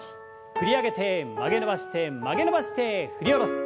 振り上げて曲げ伸ばして曲げ伸ばして振り下ろす。